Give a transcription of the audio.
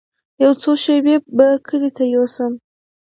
يو څو شپې به کلي ته يوسم.